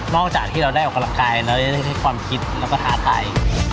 จากที่เราได้ออกกำลังกายแล้วได้ให้ความคิดแล้วก็ท้าทาย